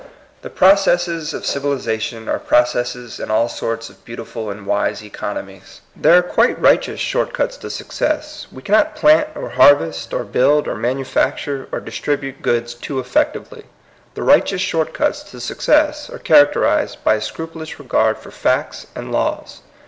The processes of civilization are processes in all sorts of beautiful and wise economies. There are quite right eous short cuts to success. We cannot plant, or harvest, or build, or manufacture, or distribute goods too effectively. The righteous short cuts to success are charac terized by a scrupulous regard for facts and laws.